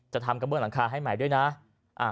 ทำกระเบื้องหลังคาให้ใหม่ด้วยนะ